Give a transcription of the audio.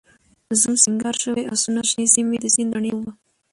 زوم، سینګار شوي آسونه، شنې سیمې، د سیند رڼې اوبه